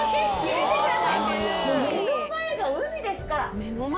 目の前が海ですから。